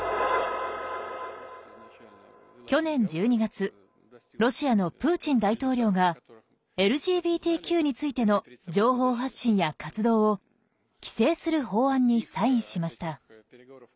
去年１２月ロシアのプーチン大統領がＬＧＢＴＱについての情報発信や活動を規制する法案にサインしました。